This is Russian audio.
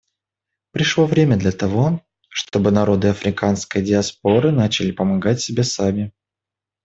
Пришло время для того, чтобы народы африканской диаспоры начали помогать себе сами.